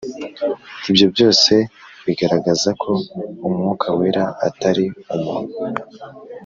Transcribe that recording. Ibyo byose bigaragaza ko umwuka wera atari umuntu